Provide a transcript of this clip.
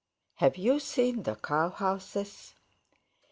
Have you seen the cow houses?"